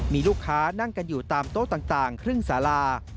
มีลูกค้านั่งกันอยู่ตามโต๊ะต่างครึ่งสารา